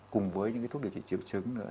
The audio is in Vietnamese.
cùng với những thuốc điều trị triệu chứng nữa